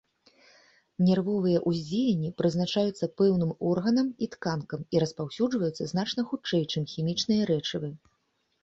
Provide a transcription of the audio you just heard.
Нервовыя ўздзеянні прызначаюцца пэўным органам і тканкам і распаўсюджваюцца значна хутчэй, чым хімічныя рэчывы.